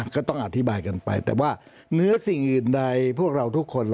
ก็ต้องอธิบายกันไปแต่ว่าเนื้อสิ่งอื่นใดพวกเราทุกคน